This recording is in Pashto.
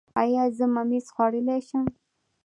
ایا زه ممیز خوړلی شم؟